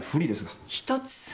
１つ。